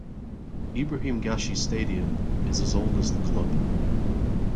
Ibrahim Gashi stadium is as old as the club.